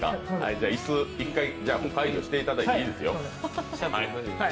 じゃ、椅子一回解除していただいていいですよ。